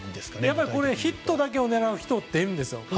やっぱりヒットだけを狙う人っているんですよ。